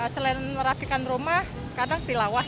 selain merafikan rumah kadang tilawah ya